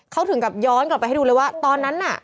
เขาถึงกับย้อนกลับไปให้ดูเลยว่าตอนนั้นน่ะ